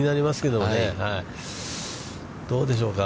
どうでしょうか。